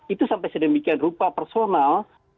itu sampai sedemikian rupa personal